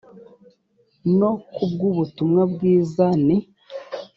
no ku bw ubutumwa bwiza ni